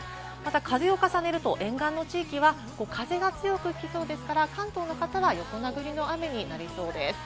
風を重ねると沿岸の地域は風が強く吹きそうですから、関東の方は横殴りの雨になりそうです。